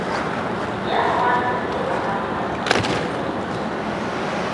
Ya kamata mu taimaka ma Hassan da biyan wancan?